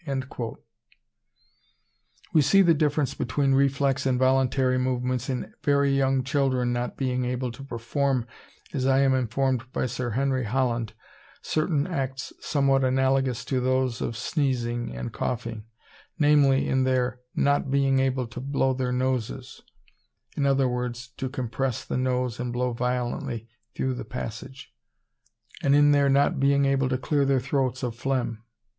We see the difference between reflex and voluntary movements in very young children not being able to perform, as I am informed by Sir Henry Holland, certain acts somewhat analogous to those of sneezing and coughing, namely, in their not being able to blow their noses (i.e. to compress the nose and blow violently through the passage), and in their not being able to clear their throats of phlegm.